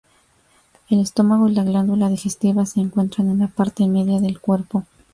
El estómago y la glándula digestiva se encuentran en la parte media del cuerpo.